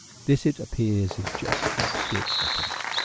This, it appears, is just what did happen.